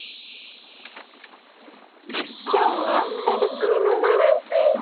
今日は二人きりのバレンタイン！